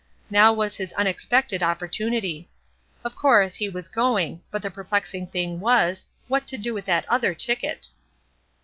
Now was his unexpected opportunity. Of course, he was going, but the perplexing thing was, what to do with that other ticket.